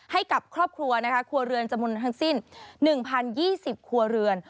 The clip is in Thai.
ให้กับครอบครัวนะคะครัวเรือนจำนวนทั้งสิ้น๑๐๒๐ครัวเรือน